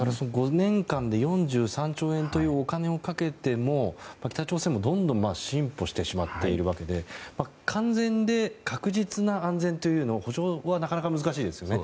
５年間で４３兆円というお金をかけても北朝鮮もどんどん進歩してしまっているわけで完全で確実な安全という保障はなかなか難しいですよね。